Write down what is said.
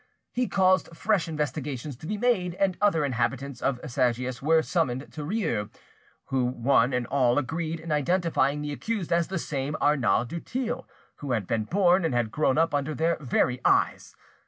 He caused fresh investigations to be made, and other inhabitants of Sagias were summoned to Rieux, who one and all agreed in identifying the accused as the same Arnauld du Thill who had been born and had grown up under their very eyes.